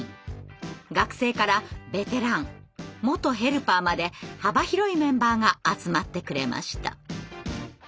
学生からベテラン元ヘルパーまで幅広いメンバーが集まってくれました。